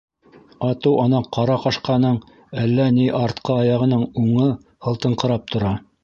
Атыу ана ҡара ҡашҡаның әллә ни артҡы аяғының уңы һылтыңҡырап тора.